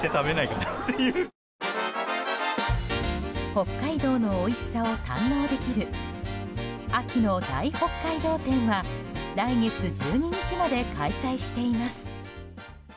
北海道のおいしさを堪能できる秋の大北海道展は来月１２日まで開催しています。